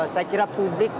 saya kira publik